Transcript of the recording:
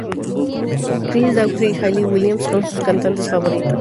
Chris Daughtry y Hayley Williams son sus cantantes favoritos.